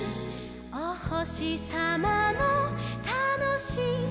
「おほしさまのたのしいはなし」